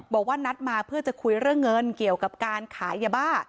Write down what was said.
บอกว่านัดมาเพื่อจะคุยเรื่องเงินเกี่ยวกับการขายยาบ้า